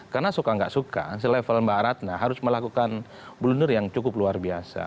karena suka nggak suka selevel mbak ratna harus melakukan blunder yang cukup luar biasa